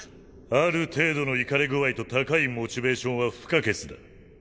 ある程度のイカれ具合と高いモチベーションは不可欠だ。